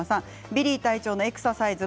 ビリー隊長のエクササイズ